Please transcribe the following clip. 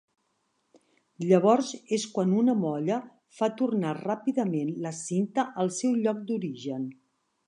Llavors és quan una molla fa tornar ràpidament la cinta al seu lloc d’origen.